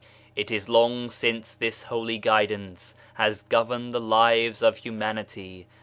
It is long since this Holy Guidance has governed the lives of Humanity.